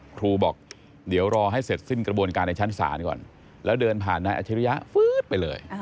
ครูบอกเดี๋ยวรอให้เสร็จสิ้นกระบวนการในชั้นศาลก่อนแล้วเดินผ่านนายอัชริยะฟื๊ดไปเลย